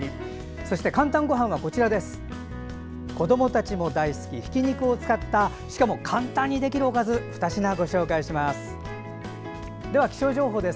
そして、「かんたんごはん」は子どもたちも大好きひき肉を使ったしかも簡単にできるおかず２品、ご紹介します。